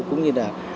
cũng như là